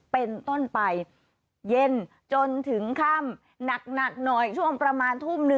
เป็นต้นไปเย็นจนถึงค่ำหนักหน่อยช่วงประมาณทุ่มหนึ่ง